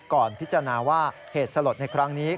ก่อนพิจารณาว่าเหตุสลดในครั้งนี้